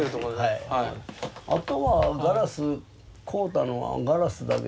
あとはガラス買うたのはガラスだけで。